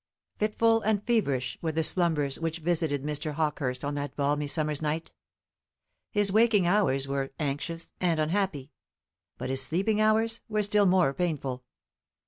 Fitful and feverish were the slumbers which visited Mr. Hawkehurst on that balmy summer's night. His waking hours were anxious and unhappy; but his sleeping hours were still more painful.